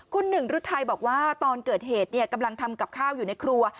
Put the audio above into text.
คุณหนึ่งฤทัยบอกว่าตอนเกิดเหตุกำลังทำกับข้าวอยู่ในครัว